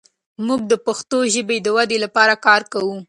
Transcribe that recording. موږ د پښتو ژبې د ودې لپاره کار کوو.